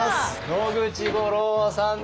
野口五郎さんです。